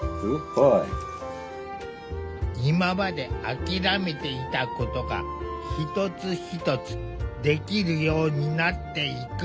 今まで諦めていたことが一つ一つできるようになっていく。